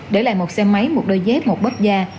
để lại một xe máy một đôi dép một bóp da